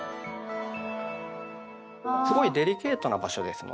すごいデリケートな場所ですので。